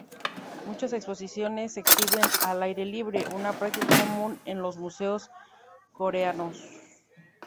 Muchas exposiciones se exhiben al aire libre, una práctica común en los museos Coreanos.